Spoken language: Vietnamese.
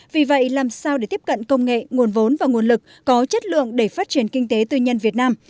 vì vậy làm sao để tiếp cận công nghệ nguồn vốn và nguồn lực có chất lượng để phát triển kinh tế tư nhân việt nam